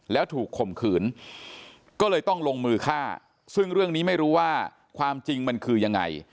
แล้วถูกข่มขืนก็เลยต้องลงมือฆ่าซึ่งเรื่องนี้ไม่รู้ว่าความจริงมันคือยังไง